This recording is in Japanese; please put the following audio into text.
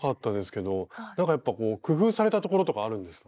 なんかやっぱ工夫されたところとかあるんですか？